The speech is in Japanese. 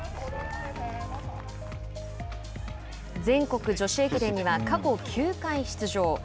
全国女子駅伝には過去９回出場。